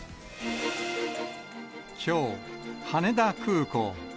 きょう、羽田空港。